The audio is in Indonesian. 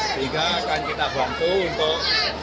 sehingga akan kita bantu untuk